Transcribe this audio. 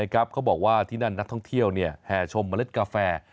เขาบอกว่าที่นั่นนักท่องเที่ยวแห่ชมเมล็ดกาแฟ